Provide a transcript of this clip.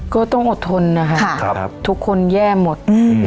ก็ต้องอดทนนะคะทุกคนแย่หมด